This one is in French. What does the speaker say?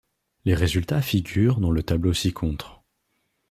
Les résultats figurent dans le tableau ci-contre.